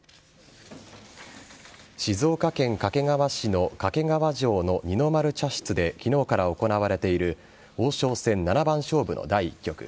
静岡県掛川市の掛川城の二の丸茶室できのうから行われている、王将戦七番勝負の第１局。